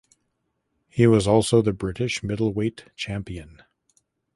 He was also the British middleweight champion.